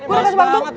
gue gak kasih waktu